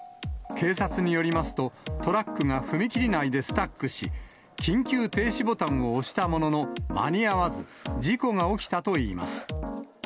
警察によりますと、トラックが踏切内でスタックし、緊急停止ボタンを押したものの間に合わず、事故が起きたといいます。